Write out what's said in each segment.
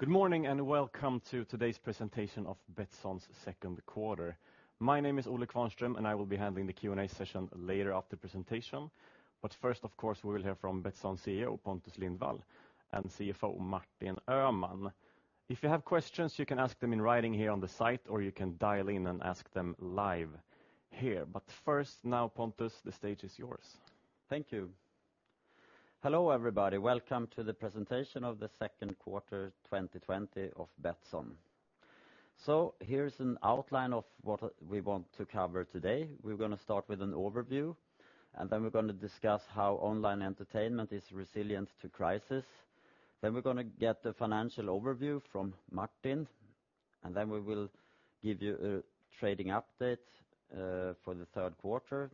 Good morning, and welcome to today's presentation of Betsson's second quarter. My name is Ole Kvarnström, and I will be handling the Q&A session later after presentation. First, of course, we will hear from Betsson CEO Pontus Lindwall and CFO Martin Öhman. If you have questions, you can ask them in writing here on the site, or you can dial in and ask them live here. First, now, Pontus, the stage is yours. Thank you. Hello, everybody. Welcome to the presentation of the second quarter 2020 of Betsson. Here is an outline of what we want to cover today. We're going to start with an overview, and then we're going to discuss how online entertainment is resilient to crisis. We're going to get the financial overview from Martin, and then we will give you a trading update for the third quarter.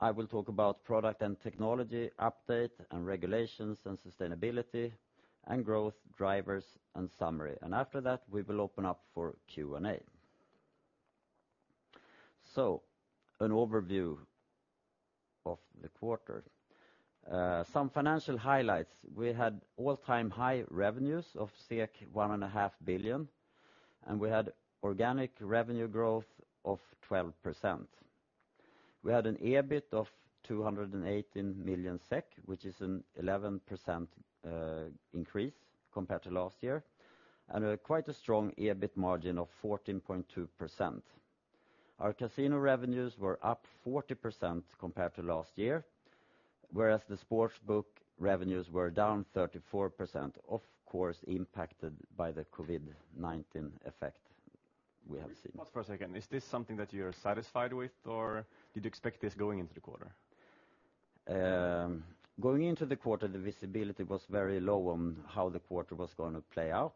I will talk about product and technology update, and regulations and sustainability, and growth drivers and summary. After that, we will open up for Q&A. An overview of the quarter. Some financial highlights. We had all-time high revenues of 1.5 billion, and we had organic revenue growth of 12%. We had an EBIT of 218 million SEK, which is an 11% increase compared to last year, and quite a strong EBIT margin of 14.2%. Our casino revenues were up 40% compared to last year, whereas the sports book revenues were down 34%, of course, impacted by the COVID-19 effect we have seen. Pause for a second. Is this something that you're satisfied with, or did you expect this going into the quarter? Going into the quarter, the visibility was very low on how the quarter was going to play out.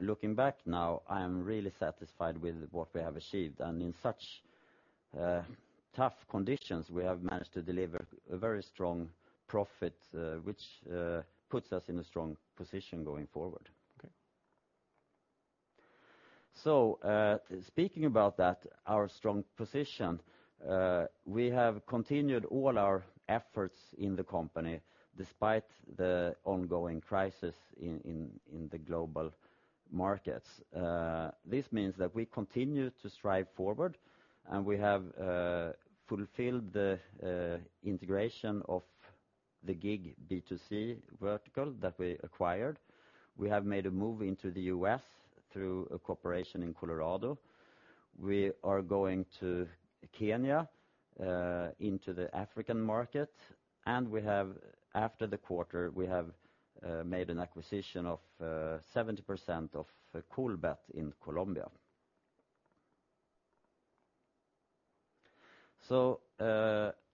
Looking back now, I am really satisfied with what we have achieved. In such tough conditions, we have managed to deliver a very strong profit, which puts us in a strong position going forward. Okay. Speaking about that, our strong position, we have continued all our efforts in the company despite the ongoing crisis in the global markets. This means that we continue to strive forward, and we have fulfilled the integration of the GIG B2C vertical that we acquired. We have made a move into the U.S. through a cooperation in Colorado. We are going to Kenya into the African market, and after the quarter, we have made an acquisition of 70% of Colbet in Colombia.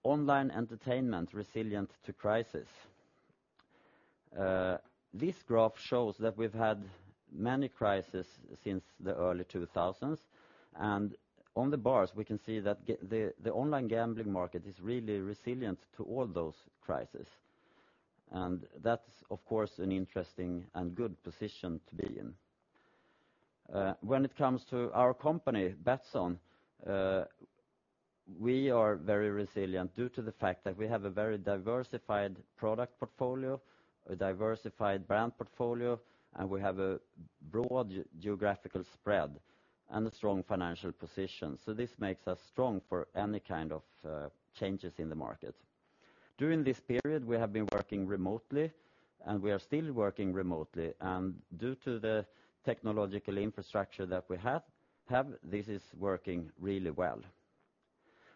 Online entertainment, resilient to crisis. This graph shows that we've had many crisis since the early 2000s, and on the bars, we can see that the online gambling market is really resilient to all those crisis. That's, of course, an interesting and good position to be in. When it comes to our company, Betsson, we are very resilient due to the fact that we have a very diversified product portfolio, a diversified brand portfolio, we have a broad geographical spread and a strong financial position. This makes us strong for any kind of changes in the market. During this period, we have been working remotely, we are still working remotely. Due to the technological infrastructure that we have, this is working really well.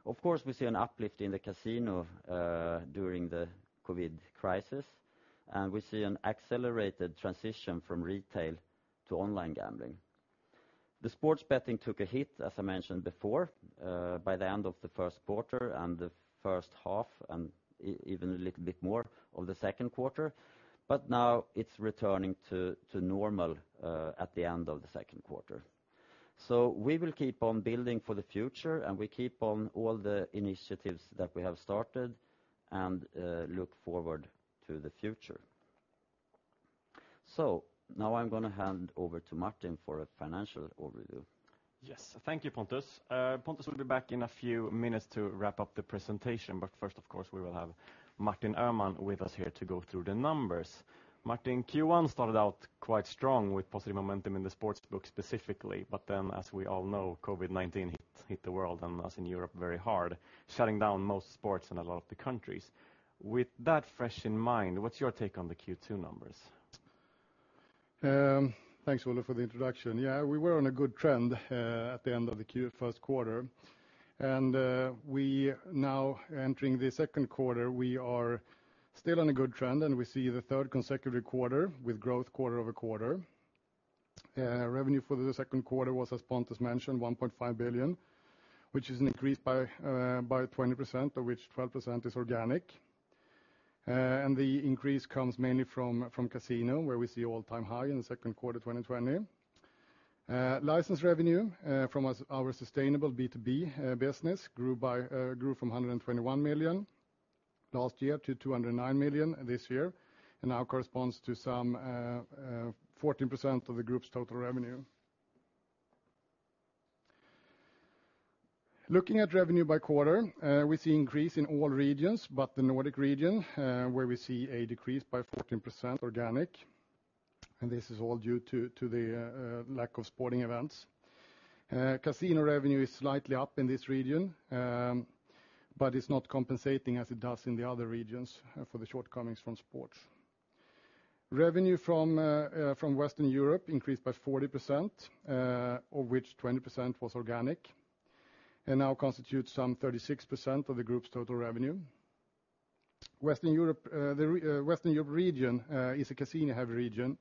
Of course, we see an uplift in the casino during the COVID crisis, and we see an accelerated transition from retail to online gambling. The sports betting took a hit, as I mentioned before, by the end of the first quarter and the first half and even a little bit more of the second quarter. Now it's returning to normal at the end of the second quarter. We will keep on building for the future, and we keep on all the initiatives that we have started and look forward to the future. Now I'm going to hand over to Martin for a financial overview. Yes. Thank you, Pontus. Pontus will be back in a few minutes to wrap up the presentation. First, of course, we will have Martin Öhman with us here to go through the numbers. Martin, Q1 started out quite strong with positive momentum in the sports book specifically. Then, as we all know, COVID-19 hit the world and us in Europe very hard, shutting down most sports in a lot of the countries. With that fresh in mind, what's your take on the Q2 numbers? Thanks, Ole, for the introduction. Yeah, we were on a good trend at the end of the first quarter. Now entering the second quarter, we are still on a good trend, and we see the third consecutive quarter with growth quarter-over-quarter. Revenue for the second quarter was, as Pontus mentioned, 1.5 billion, which is an increase by 20%, of which 12% is organic. The increase comes mainly from casino, where we see all-time high in the second quarter 2020. License revenue from our sustainable B2B business grew from 121 million last year to 209 million this year and now corresponds to some 14% of the group's total revenue. Looking at revenue by quarter, we see increase in all regions but the Nordic region, where we see a decrease by 14% organic. This is all due to the lack of sporting events. Casino revenue is slightly up in this region, but it's not compensating as it does in the other regions for the shortcomings from sports. Revenue from Western Europe increased by 40%, of which 20% was organic, and now constitutes some 36% of the group's total revenue. Western Europe region is a casino-heavy region,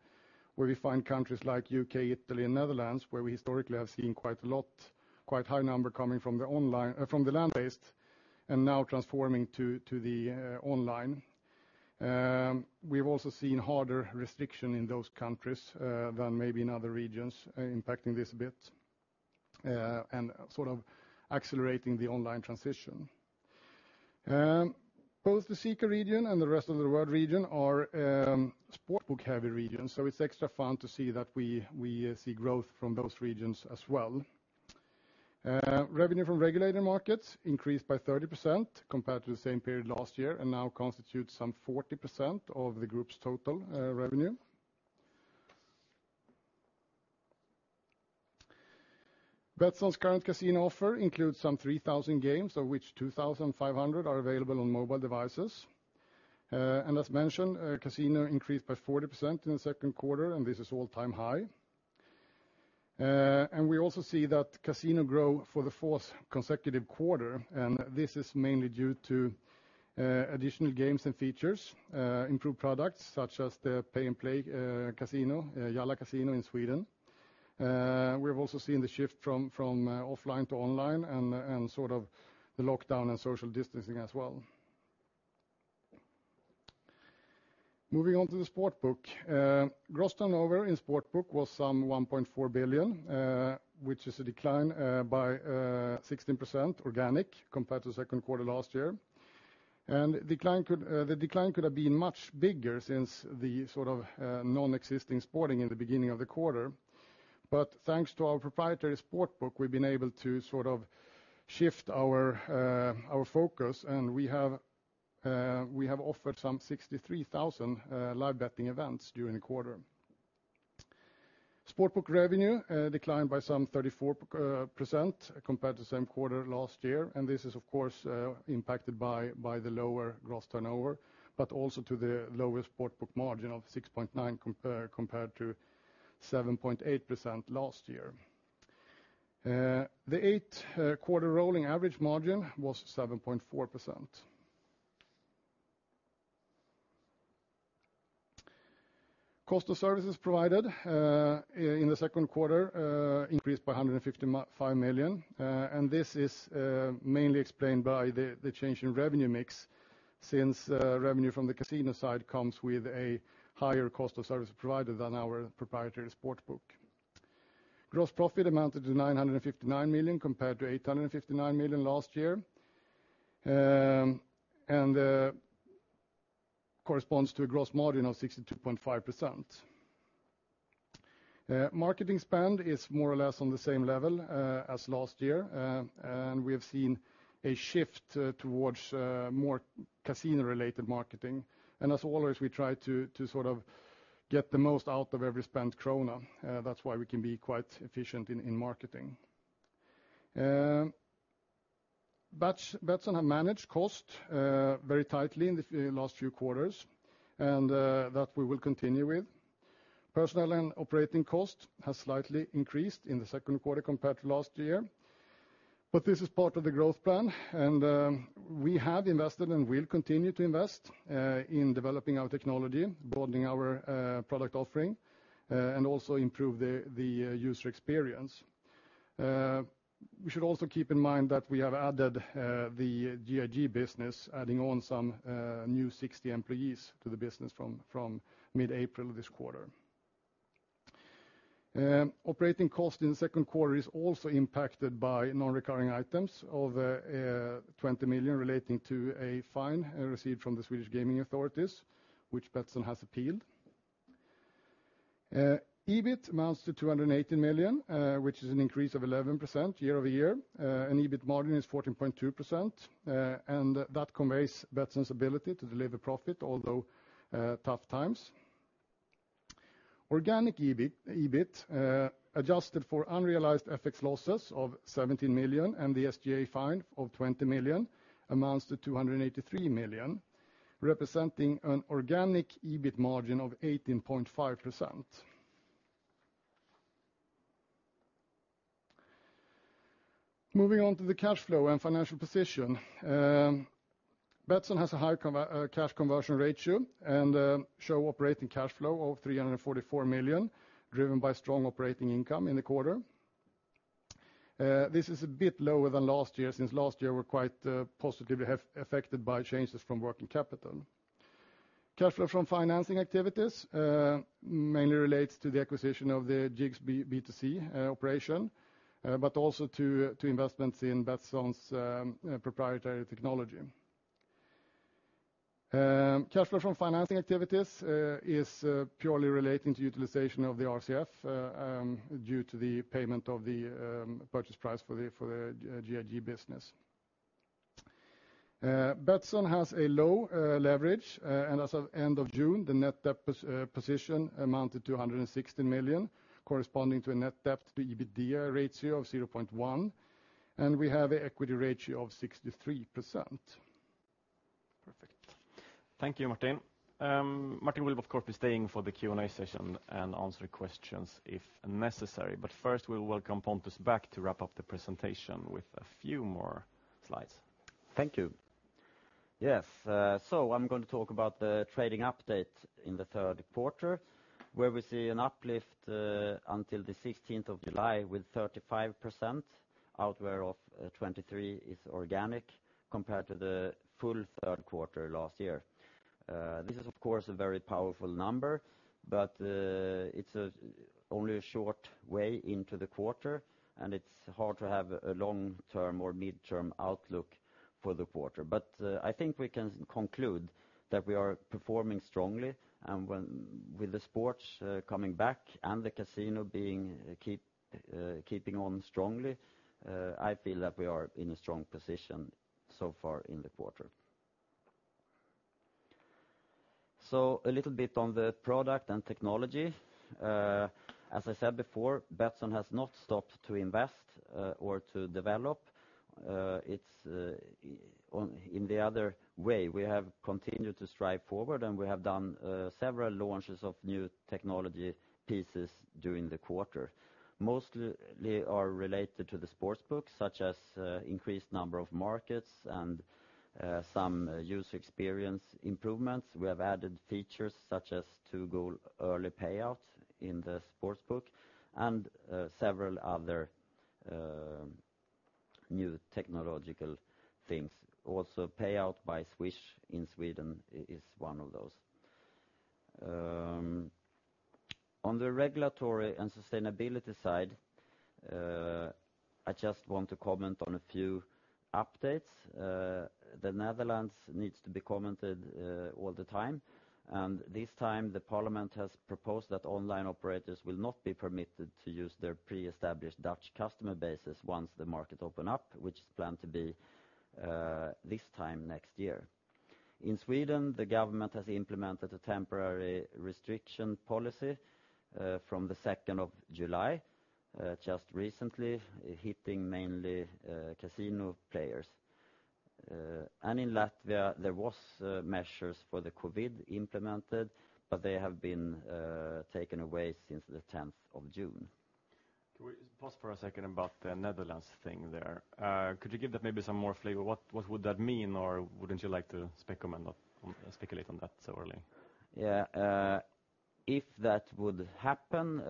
where we find countries like U.K., Italy, and Netherlands, where we historically have seen quite high number coming from the land-based and now transforming to the online. We've also seen harder restriction in those countries than maybe in other regions, impacting this a bit, and accelerating the online transition. Both the CEE&CA region and the rest of the world region are sport book-heavy regions. It's extra fun to see that we see growth from those regions as well. Revenue from regulated markets increased by 30% compared to the same period last year, and now constitutes some 40% of the group's total revenue. Betsson's current casino offer includes some 3,000 games, of which 2,500 are available on mobile devices. As mentioned, casino increased by 40% in the second quarter, and this is all-time high. We also see that casino grow for the fourth consecutive quarter, and this is mainly due to additional games and features, improved products such as the Pay N Play casino, Jalla Casino in Sweden. We've also seen the shift from offline to online, and the lockdown and social distancing as well. Moving on to the sportsbook. Gross turnover in sportsbook was some 1.4 billion, which is a decline by 16% organic compared to the second quarter last year. The decline could have been much bigger since the non-existing sporting in the beginning of the quarter. Thanks to our proprietary sportsbook, we've been able to shift our focus, and we have offered some 63,000 live betting events during the quarter. Sportsbook revenue declined by some 34% compared to the same quarter last year, this is of course impacted by the lower gross turnover, also to the lower sportsbook margin of 6.9% compared to 7.8% last year. The eight quarter rolling average margin was 7.4%. Cost of services provided in the second quarter increased by 155 million, this is mainly explained by the change in revenue mix since revenue from the casino side comes with a higher cost of service provider than our proprietary sportsbook. Gross profit amounted to 959 million compared to 859 million last year, corresponds to a gross margin of 62.5%. Marketing spend is more or less on the same level as last year, we have seen a shift towards more casino-related marketing. As always, we try to get the most out of every spent SEK. That's why we can be quite efficient in marketing. Betsson has managed cost very tightly in the last few quarters, that we will continue with. Personnel and operating costs have slightly increased in the second quarter compared to last year, this is part of the growth plan, we have invested and will continue to invest in developing our technology, broadening our product offering, and also improve the user experience. We should also keep in mind that we have added the GIG business, adding on some new 60 employees to the business from mid-April this quarter. Operating cost in the second quarter is also impacted by non-recurring items of 20 million relating to a fine received from the Swedish Gambling Authority, which Betsson has appealed. EBIT amounts to 218 million, which is an increase of 11% year-over-year. EBIT margin is 14.2%, and that conveys Betsson's ability to deliver profit, although tough times. Organic EBIT, adjusted for unrealized FX losses of 17 million and the SGA fine of 20 million, amounts to 283 million, representing an organic EBIT margin of 18.5%. Moving on to the cash flow and financial position. Betsson has a high cash conversion ratio and show operating cash flow of 344 million, driven by strong operating income in the quarter. This is a bit lower than last year, since last year we're quite positively affected by changes from working capital. Cash flow from financing activities mainly relates to the acquisition of the GIG B2C operation, but also to investments in Betsson's proprietary technology. Cash flow from financing activities is purely relating to utilization of the RCF due to the payment of the purchase price for the GIG business. Betsson has a low leverage, and as of end of June, the net debt position amounted to 160 million, corresponding to a net debt to EBITDA ratio of 0.1, and we have an equity ratio of 63%. Perfect. Thank you, Martin. Martin will, of course, be staying for the Q&A session and answer questions if necessary. First, we'll welcome Pontus back to wrap up the presentation with a few more slides. Thank you. Yes. I'm going to talk about the trading update in the third quarter, where we see an uplift until the 16th of July with 35%, out were of 23 is organic, compared to the full third quarter last year. This is, of course, a very powerful number, but it's only a short way into the quarter, and it's hard to have a long-term or mid-term outlook for the quarter. I think we can conclude that we are performing strongly, and with the sports coming back and the casino keeping on strongly, I feel that we are in a strong position so far in the quarter. A little bit on the product and technology. As I said before, Betsson has not stopped to invest or to develop. It's in the other way. We have continued to strive forward. We have done several launches of new technology pieces during the quarter. Mostly are related to the sportsbook, such as increased number of markets and some user experience improvements. We have added features such as 2 Goals Ahead Early Payout in the sportsbook and several other new technological things. Payout by Swish in Sweden is one of those. On the regulatory and sustainability side, I just want to comment on a few updates. The Netherlands needs to be commented all the time. This time, the parliament has proposed that online operators will not be permitted to use their pre-established Dutch customer bases once the market open up, which is planned to be this time next year. In Sweden, the government has implemented a temporary restriction policy from the 2nd of July, just recently, hitting mainly casino players. In Latvia, there was measures for the COVID implemented, but they have been taken away since the 10th of June. Can we pause for a second about the Netherlands thing there? Could you give that maybe some more flavor? What would that mean? Wouldn't you like to speculate on that so early? Yeah. If that would happen,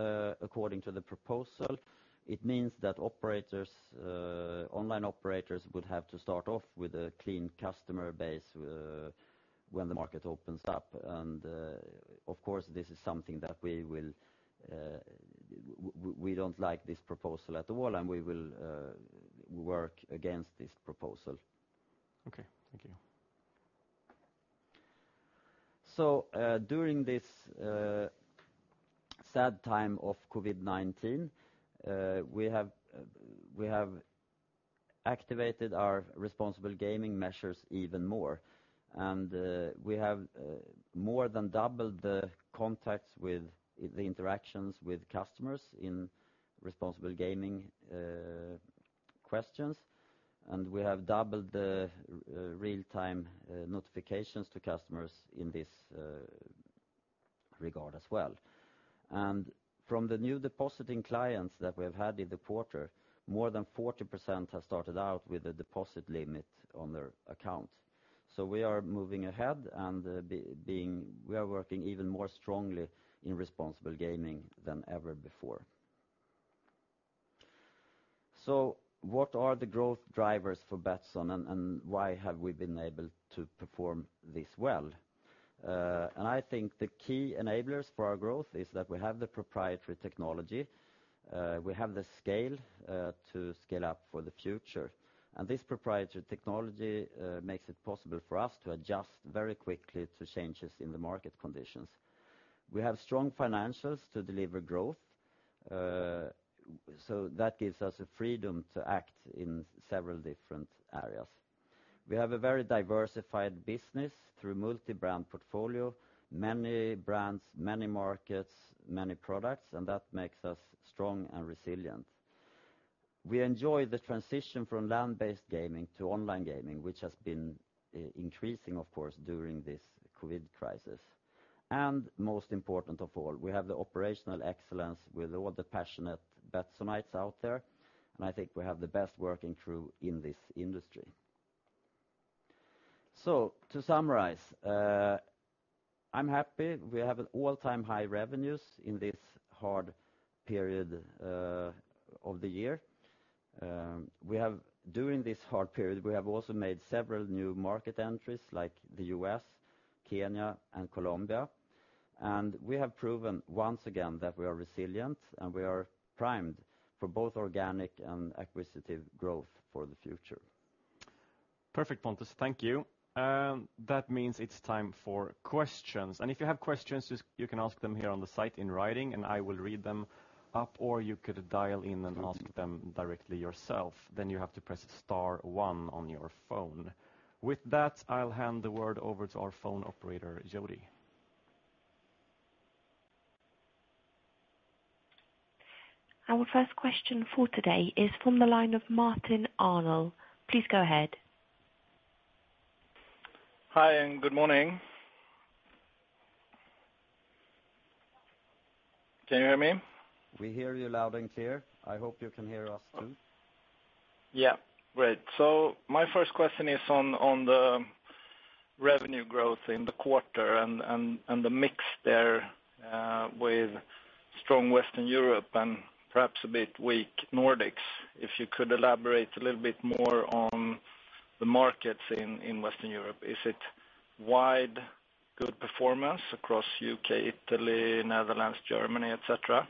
according to the proposal, it means that online operators would have to start off with a clean customer base when the market opens up. Of course, this is something that we don't like this proposal at all, and we will work against this proposal. Okay. Thank you. During this sad time of COVID-19, we have activated our responsible gaming measures even more. We have more than doubled the contacts with the interactions with customers in responsible gaming questions, and we have doubled the real-time notifications to customers in this regard as well. From the new depositing clients that we have had in the quarter, more than 40% have started out with a deposit limit on their account. We are moving ahead and we are working even more strongly in responsible gaming than ever before. What are the growth drivers for Betsson, and why have we been able to perform this well? I think the key enablers for our growth is that we have the proprietary technology, we have the scale to scale up for the future. This proprietary technology makes it possible for us to adjust very quickly to changes in the market conditions. We have strong financials to deliver growth, so that gives us the freedom to act in several different areas. We have a very diversified business through multi-brand portfolio, many brands, many markets, many products, and that makes us strong and resilient. We enjoy the transition from land-based gaming to online gaming, which has been increasing, of course, during this COVID crisis. Most important of all, we have the operational excellence with all the passionate Betssonites out there, and I think we have the best working crew in this industry. To summarize, I'm happy we have an all-time high revenues in this hard period of the year. During this hard period, we have also made several new market entries like the U.S., Kenya, and Colombia. We have proven once again that we are resilient and we are primed for both organic and acquisitive growth for the future. Perfect, Pontus. Thank you. That means it's time for questions. If you have questions, you can ask them here on the site in writing, and I will read them up, or you could dial in and ask them directly yourself, then you have to press star one on your phone. With that, I'll hand the word over to our phone operator, Jodi. Our first question for today is from the line of Martin Arnell. Please go ahead. Hi, and good morning. Can you hear me? We hear you loud and clear. I hope you can hear us, too. Yeah. Great. My first question is on the revenue growth in the quarter and the mix there, with strong Western Europe and perhaps a bit weak Nordics. If you could elaborate a little bit more on the markets in Western Europe. Is it wide good performance across U.K., Italy, Netherlands, Germany, et cetera?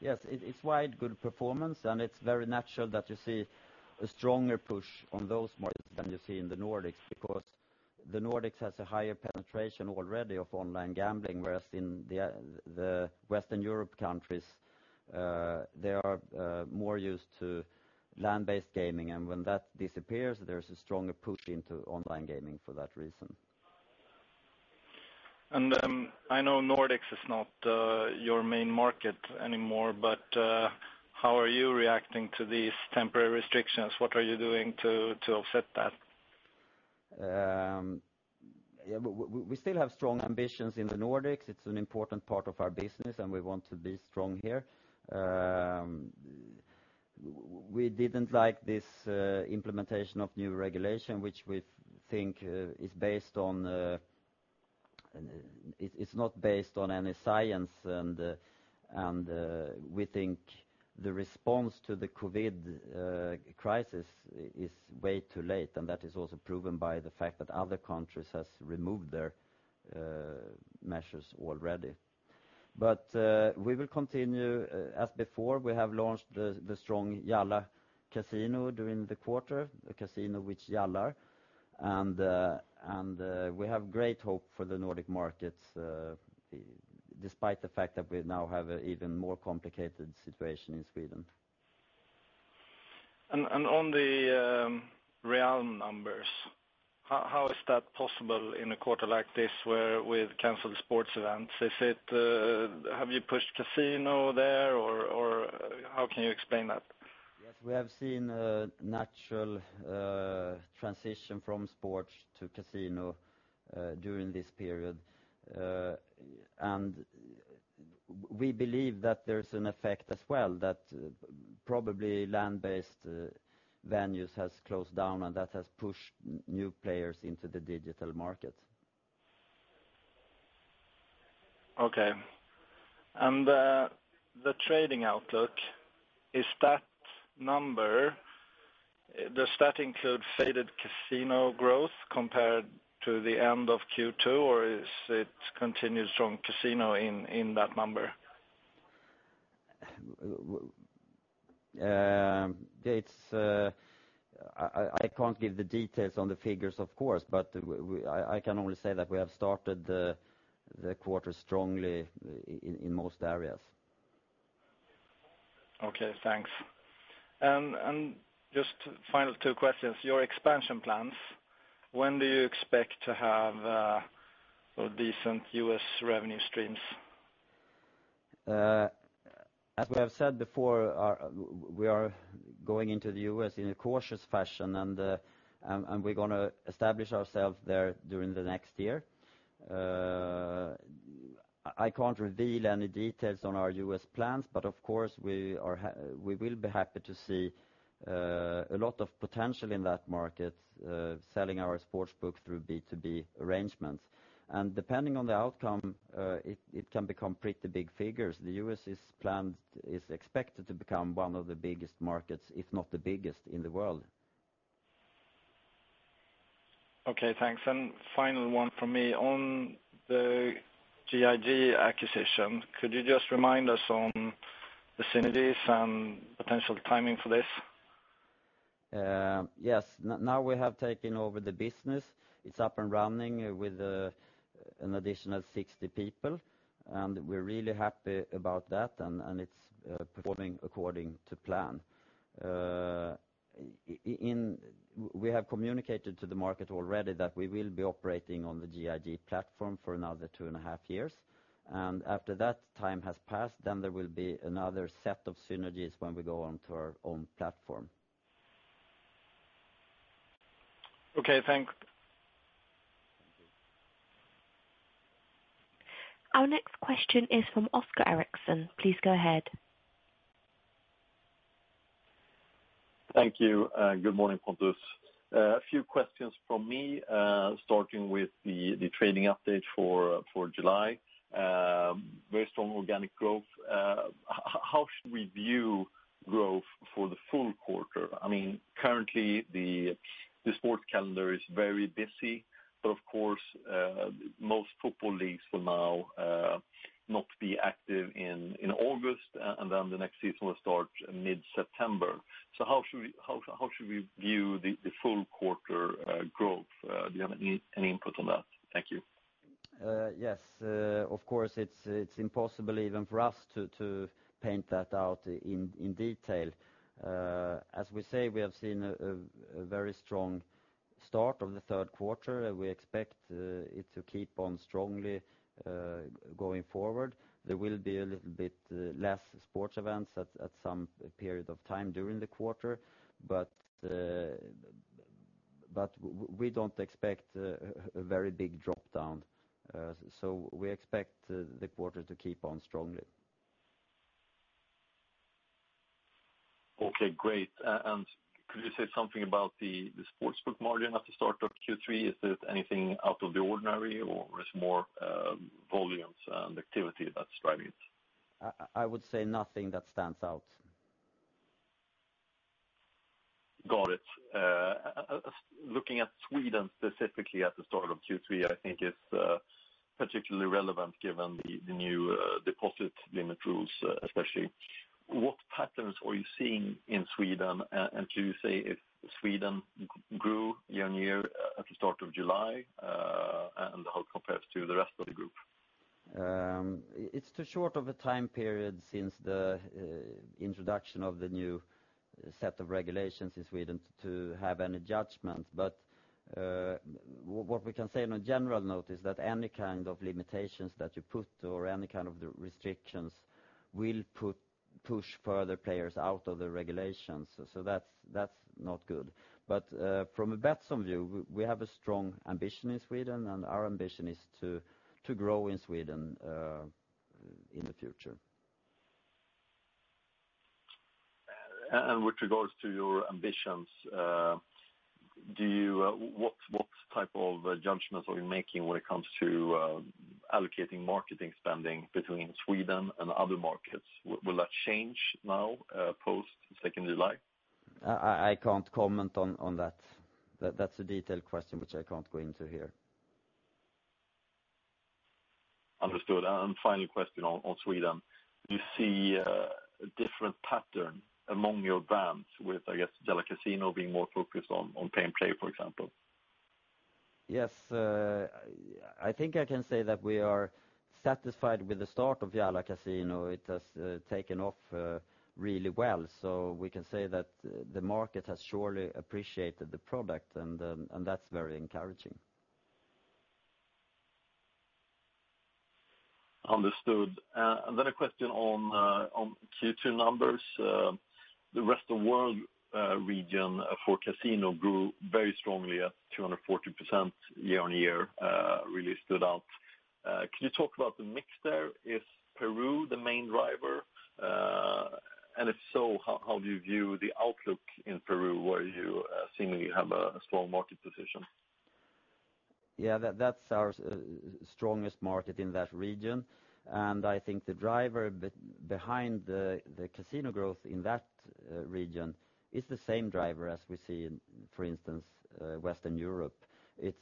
Yes, it's wide good performance. It's very natural that you see a stronger push on those markets than you see in the Nordics, because the Nordics has a higher penetration already of online gambling, whereas in the Western Europe countries, they are more used to land-based gaming. When that disappears, there's a stronger push into online gaming for that reason. I know Nordics is not your main market anymore, but how are you reacting to these temporary restrictions? What are you doing to offset that? We still have strong ambitions in the Nordics. It's an important part of our business, we want to be strong here. We didn't like this implementation of new regulation, which we think it's not based on any science, we think the response to the COVID crisis is way too late, that is also proven by the fact that other countries has removed their measures already. We will continue as before. We have launched the strong Jalla Casino during the quarter, the casino which Jalla. We have great hope for the Nordic markets, despite the fact that we now have an even more complicated situation in Sweden. On the real numbers, how is that possible in a quarter like this where with canceled sports events? Have you pushed casino there, or how can you explain that? Yes, we have seen a natural transition from sports to casino during this period. We believe that there's an effect as well that probably land-based venues has closed down, and that has pushed new players into the digital market. Okay. The trading outlook, is that number, does that include faded casino growth compared to the end of Q2, or is it continued strong casino in that number? I can't give the details on the figures, of course, but I can only say that we have started the quarter strongly in most areas. Okay, thanks. Just final two questions. Your expansion plans, when do you expect to have decent U.S. revenue streams? As we have said before, we are going into the U.S. in a cautious fashion, and we're going to establish ourselves there during the next year. I can't reveal any details on our U.S. plans, but of course, we will be happy to see a lot of potential in that market, selling our sportsbook through B2B arrangements. Depending on the outcome, it can become pretty big figures. The U.S. is expected to become one of the biggest markets, if not the biggest in the world. Okay, thanks. Final one from me. On the GIG acquisition, could you just remind us on the synergies and potential timing for this? Yes. Now we have taken over the business. It's up and running with an additional 60 people, and we're really happy about that, and it's performing according to plan. We have communicated to the market already that we will be operating on the GIG platform for another two and a half years. After that time has passed, there will be another set of synergies when we go onto our own platform. Okay, thanks. Thank you. Our next question is from Oscar Ericsson. Please go ahead. Thank you. Good morning, Pontus. A few questions from me, starting with the trading update for July. Very strong organic growth. How should we view growth for the full quarter? Currently, the sports calendar is very busy, of course, most football leagues will now not be active in August, the next season will start mid-September. How should we view the full quarter growth? Do you have any input on that? Thank you. Yes. Of course, it's impossible even for us to paint that out in detail. As we say, we have seen a very strong start of the third quarter. We expect it to keep on strongly going forward. There will be a little bit less sports events at some period of time during the quarter, but we don't expect a very big drop-down. We expect the quarter to keep on strongly. Okay, great. Could you say something about the sportsbook margin at the start of Q3? Is it anything out of the ordinary, or it's more volumes and activity that's driving it? I would say nothing that stands out. Got it. Looking at Sweden, specifically at the start of Q3, I think it's particularly relevant given the new deposit limit rules, especially. What patterns are you seeing in Sweden? Can you say if Sweden grew year-over-year at the start of July, and how it compares to the rest of the group? It's too short of a time period since the introduction of the new set of regulations in Sweden to have any judgment. What we can say on a general note is that any kind of limitations that you put or any kind of restrictions will push further players out of the regulations. That's not good. From a Betsson view, we have a strong ambition in Sweden, and our ambition is to grow in Sweden in the future. With regards to your ambitions, what type of judgments are you making when it comes to allocating marketing spending between Sweden and other markets? Will that change now post second July? I can't comment on that. That's a detailed question which I can't go into here. Understood. Final question on Sweden. Do you see a different pattern among your brands with, I guess, Jalla Casino being more focused on Pay N Play, for example? Yes. I think I can say that we are satisfied with the start of Jalla Casino. It has taken off really well. We can say that the market has surely appreciated the product, and that's very encouraging. Understood. A question on Q2 numbers. The rest of world region for Casino grew very strongly at 240% year-on-year, really stood out. Can you talk about the mix there? Is Peru the main driver? If so, how do you view the outlook in Peru where you seemingly have a strong market position? Yeah, that's our strongest market in that region. I think the driver behind the casino growth in that region is the same driver as we see in, for instance, Western Europe. It's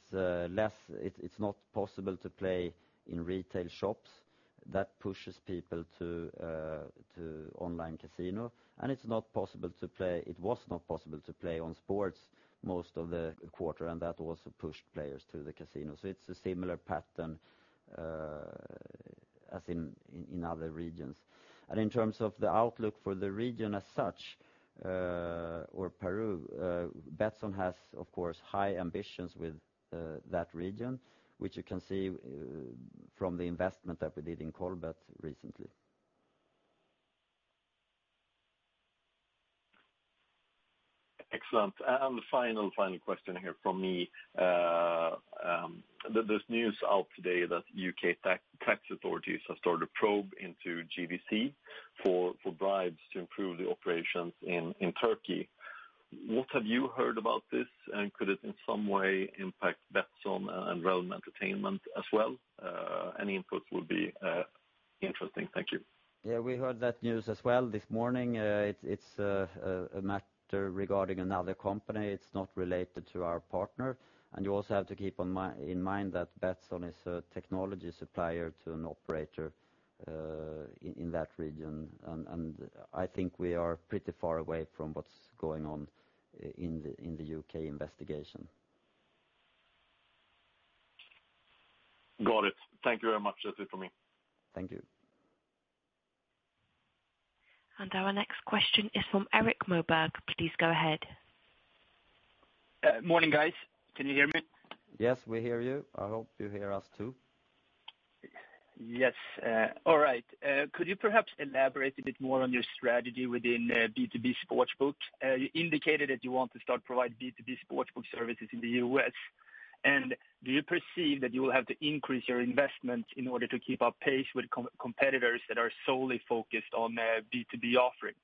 not possible to play in retail shops. That pushes people to online casino, and it was not possible to play on sports most of the quarter, and that also pushed players to the casino. It's a similar pattern as in other regions. In terms of the outlook for the region as such, or Peru, Betsson has, of course, high ambitions with that region, which you can see from the investment that we did in Colbet recently. Excellent. The final question here from me. There's news out today that U.K. tax authorities have started a probe into GVC for bribes to improve the operations in Turkey. What have you heard about this, and could it in some way impact Betsson and Realm Entertainment as well? Any input would be interesting. Thank you. Yeah, we heard that news as well this morning. It's a matter regarding another company. It's not related to our partner. You also have to keep in mind that Betsson is a technology supplier to an operator in that region, and I think we are pretty far away from what's going on in the U.K. investigation. Got it. Thank you very much. That's it from me. Thank you. Our next question is from Erik Moberg. Please go ahead. Morning, guys. Can you hear me? Yes, we hear you. I hope you hear us too. Yes. All right. Could you perhaps elaborate a bit more on your strategy within B2B sportsbook? You indicated that you want to start providing B2B sportsbook services in the U.S., and do you perceive that you will have to increase your investment in order to keep up pace with competitors that are solely focused on B2B offering?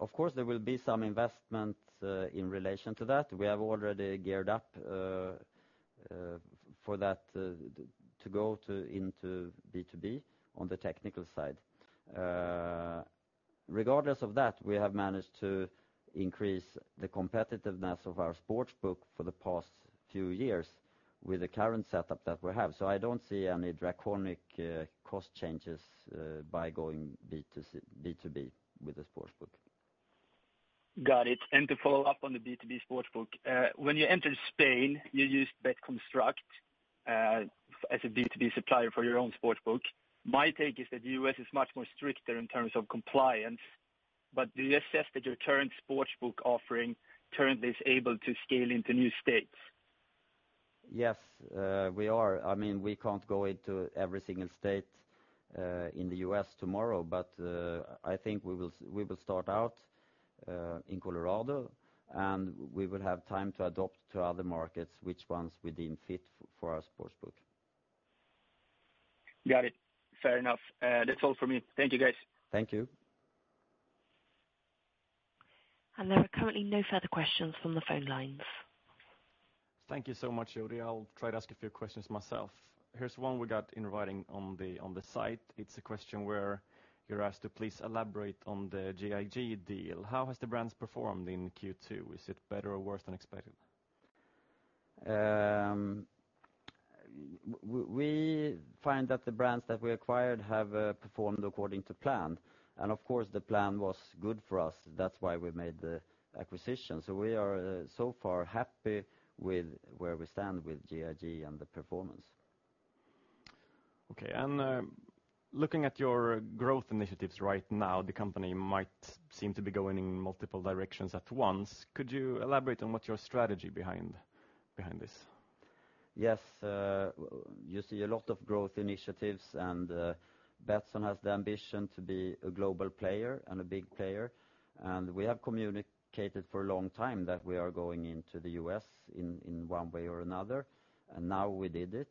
Of course, there will be some investment in relation to that. We have already geared up for that to go into B2B on the technical side. Regardless of that, we have managed to increase the competitiveness of our sportsbook for the past few years with the current setup that we have. I don't see any draconic cost changes by going B2B with the sportsbook. Got it. To follow up on the B2B sportsbook. When you entered Spain, you used BetConstruct as a B2B supplier for your own sportsbook. My take is that the U.S. is much more stricter in terms of compliance. Do you assess that your current sportsbook offering currently is able to scale into new states? Yes, we are. We can't go into every single state in the U.S. tomorrow, but I think we will start out in Colorado, and we will have time to adopt to other markets, which ones we deem fit for our sportsbook. Got it. Fair enough. That's all for me. Thank you, guys. Thank you. There are currently no further questions from the phone lines. Thank you so much, Jodi. I'll try to ask a few questions myself. Here's one we got in writing on the site. It's a question where you're asked to please elaborate on the GIG deal. How has the brands performed in Q2? Is it better or worse than expected? We find that the brands that we acquired have performed according to plan, of course, the plan was good for us. That's why we made the acquisition. We are so far happy with where we stand with GIG and the performance. Okay, looking at your growth initiatives right now, the company might seem to be going in multiple directions at once. Could you elaborate on what your strategy behind this? Yes. You see a lot of growth initiatives. Betsson has the ambition to be a global player and a big player. We have communicated for a long time that we are going into the U.S. in one way or another. Now we did it.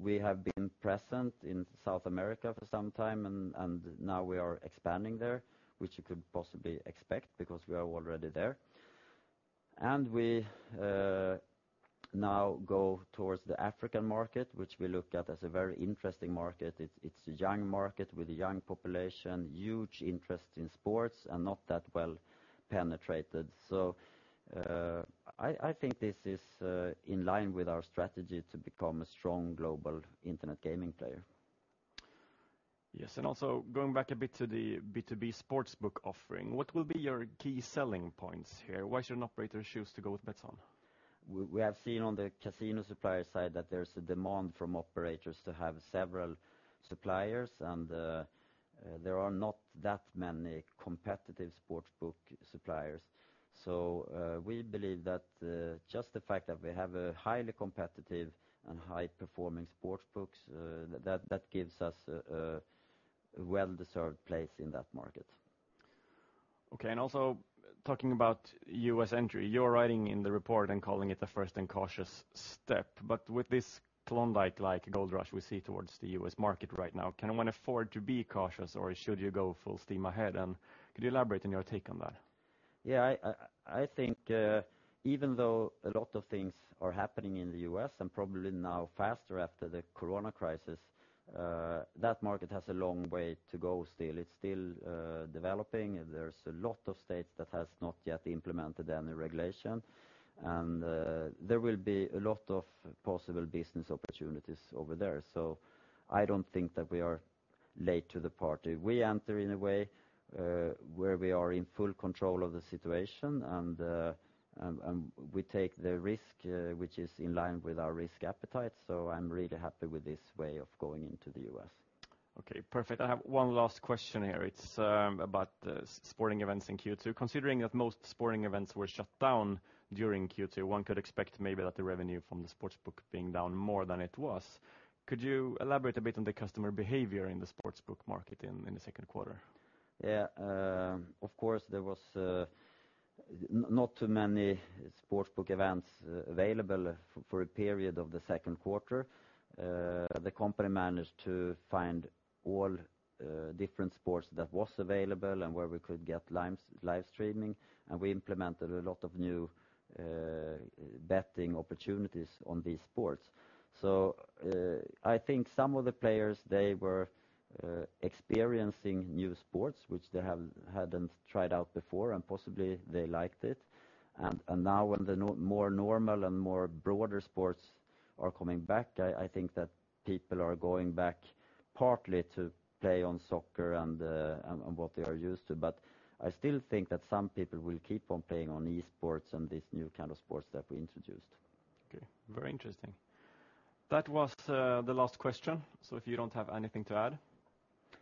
We have been present in South America for some time. Now we are expanding there, which you could possibly expect because we are already there. We now go towards the African market, which we look at as a very interesting market. It's a young market with a young population, huge interest in sports, and not that well penetrated. I think this is in line with our strategy to become a strong global internet gaming player. Yes. Also going back a bit to the B2B sportsbook offering, what will be your key selling points here? Why should an operator choose to go with Betsson? We have seen on the casino supplier side that there's a demand from operators to have several suppliers, and there are not that many competitive sportsbook suppliers. We believe that just the fact that we have a highly competitive and high-performing sportsbooks, that gives us a well-deserved place in that market. Okay, also talking about U.S. entry. You're writing in the report and calling it the first and cautious step. With this Klondike-like gold rush we see towards the U.S. market right now, can one afford to be cautious, or should you go full steam ahead? Could you elaborate on your take on that? I think even though a lot of things are happening in the U.S. and probably now faster after the corona crisis, that market has a long way to go still. It's still developing, and there's a lot of states that has not yet implemented any regulation. There will be a lot of possible business opportunities over there. I don't think that we are late to the party. We enter in a way where we are in full control of the situation, and we take the risk, which is in line with our risk appetite. I'm really happy with this way of going into the U.S. Okay, perfect. I have one last question here. It is about sporting events in Q2. Considering that most sporting events were shut down during Q2, one could expect maybe that the revenue from the sportsbook being down more than it was. Could you elaborate a bit on the customer behavior in the sportsbook market in the second quarter? Yeah. Of course, there was not too many sportsbook events available for a period of the second quarter. The company managed to find all different sports that was available and where we could get live streaming, we implemented a lot of new betting opportunities on these sports. I think some of the players, they were experiencing new sports, which they hadn't tried out before, and possibly they liked it. Now when the more normal and more broader sports are coming back, I think that people are going back partly to play on soccer and what they are used to, but I still think that some people will keep on playing on esports and these new kind of sports that we introduced. Okay. Very interesting. That was the last question. If you don't have anything to add,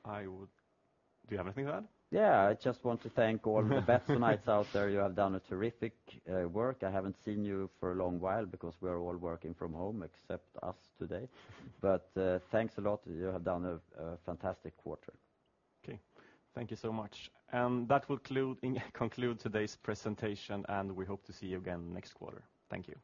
Do you have anything to add? I just want to thank all the Betssonites out there. You have done a terrific work. I haven't seen you for a long while because we are all working from home except us today. Thanks a lot. You have done a fantastic quarter. Okay. Thank you so much. That will conclude today's presentation, and we hope to see you again next quarter. Thank you.